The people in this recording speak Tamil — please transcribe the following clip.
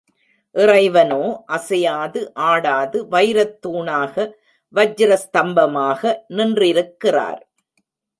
இறைவனோ அசையாது ஆடாது வைரத்தூணாக, வஜ்ர ஸ்தம்பமாக நின்றிருக்கிறார்.